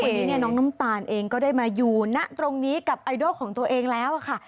วันนี้เนี่ยน้องน้ำตาลเองก็ได้มาอยู่ณตรงนี้กับไอดอลของตัวเองแล้วค่ะ